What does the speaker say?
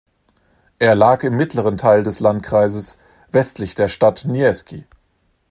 Er lag im mittleren Teil des Landkreises, westlich der Stadt Niesky.